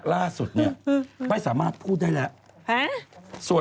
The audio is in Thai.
ล่าสุดเนี่ยไม่สามารถพูดได้แล้ว